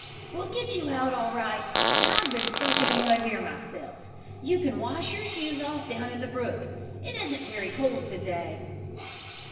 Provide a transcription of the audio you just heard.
"We'll get you out all right. I've been stuck in the mud here myself. You can wash your shoes off down in the brook. It isn't very cold to day."